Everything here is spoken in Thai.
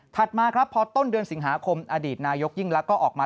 ถัดมาพอต้นเดือนสิงหาคมอดีตนายกยิ่งแล้วก็ออกมา